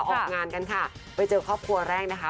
ออกงานกันค่ะไปเจอครอบครัวแรกนะคะ